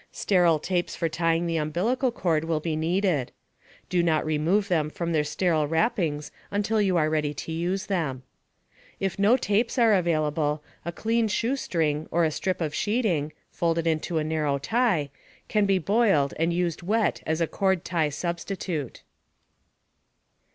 Sterile tapes for tying the umbilical cord will be needed. (Do not remove them from their sterile wrappings until you are ready to use them.) If no tapes are available, a clean shoestring or a strip of sheeting (folded into a narrow tie) can be boiled and used wet as a cord tie substitute.